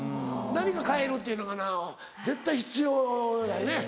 何か変えるっていうのかな絶対必要やね。